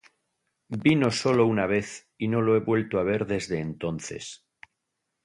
Vino solo una vez y no lo he vuelto a ver desde entonces.